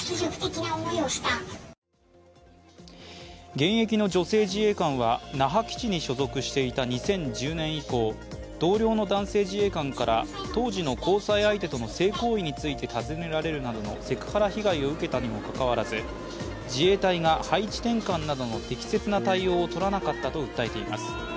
現役の女性自衛官は那覇基地に所属していた２０１０年以降、同僚の男性自衛官から当時の交際相手との性行為について尋ねられるなどのセクハラ被害を受けたにもかかわらず、自衛隊が配置転換などの適切な対応をとらなかったと訴えています。